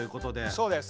そうです。